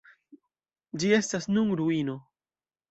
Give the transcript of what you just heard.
Ĝi estas nun ruino.